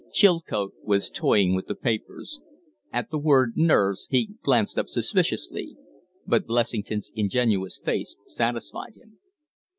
Chilcote was toying with the papers. At the word nerves he glanced up suspiciously. But Blessington's ingenuous face satisfied him.